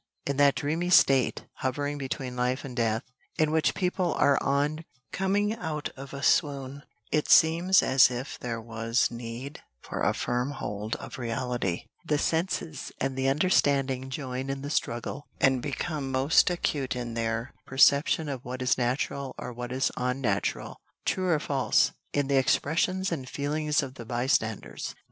In that dreamy state, hovering between life and death, in which people are on coming out of a swoon, it seems as if there was need for a firm hold of reality; the senses and the understanding join in the struggle, and become most acute in their perception of what is natural or what is unnatural, true or false, in the expressions and feelings of the by standers.